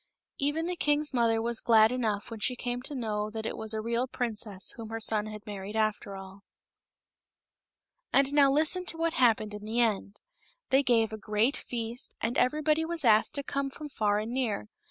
Even the king's mother was glad enough when she came to know that it was a real princess whom her son had married after all. 202 MOTHER HILDEGARDE. And now listen to what happened in the end. They gave a great feast, and everybody was, asked to come from far and near.